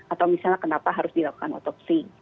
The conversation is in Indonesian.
atau misalnya kenapa harus dilakukan otopsi